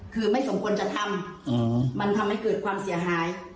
คือไม่สมควรจะทำมันทำให้เกิดความเสียหาย